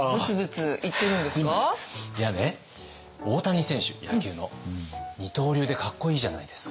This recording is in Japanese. いやね大谷選手野球の二刀流でかっこいいじゃないですか。